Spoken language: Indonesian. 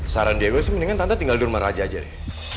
saran diego sih mendingan tante tinggal di rumah raja aja deh